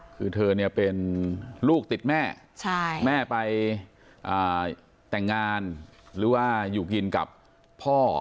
คือเธอเนี่ยเป็นลูกติดแม่แม่ไปแต่งงานหรือว่าอยู่กินกับพ่อ